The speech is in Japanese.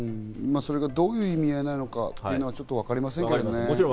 それがどういう意味合いなのか、今はちょっとわかりませんけどね。